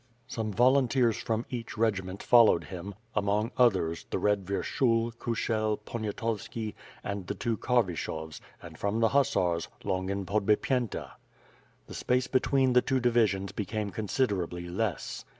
Some volunteers from each regiment followed him, among others, the red Vyershul, Kushel, Poniatovski, and the two Karvishovs and, from the hussars, Longin Podbipyenta. The space between the two divisions became considerably less.